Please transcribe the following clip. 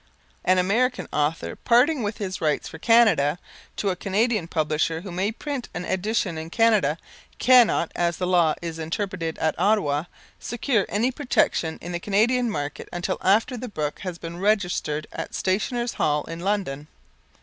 An American author parting with his rights for Canada to a Canadian publisher who may print an edition in Canada, cannot, as the law is interpreted at Ottawa, secure any protection in the Canadian market until after the book has been registered at Stationers' Hall in London.